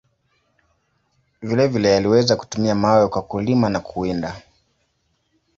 Vile vile, aliweza kutumia mawe kwa kulima na kuwinda.